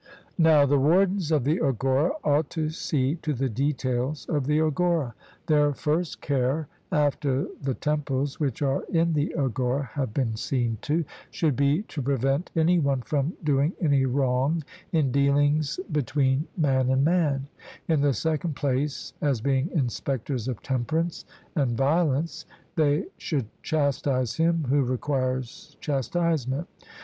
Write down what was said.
Now the wardens of the agora ought to see to the details of the agora. Their first care, after the temples which are in the agora have been seen to, should be to prevent any one from doing any wrong in dealings between man and man; in the second place, as being inspectors of temperance and violence, they should chastise him who requires chastisement.